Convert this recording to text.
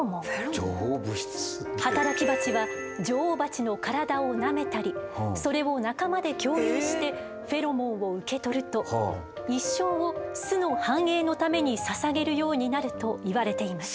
働き蜂は女王蜂の体をなめたりそれを仲間で共有してフェロモンを受け取ると一生を巣の繁栄のためにささげるようになるといわれています。